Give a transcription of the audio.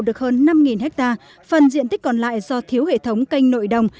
công trình đã phục vụ được hơn năm ha phần diện tích còn lại do thiếu hệ thống canh nội đồng